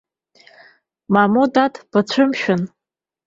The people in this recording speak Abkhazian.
Мамоу, дад, бацәымшәан.